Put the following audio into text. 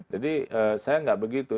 jadi saya tidak begitu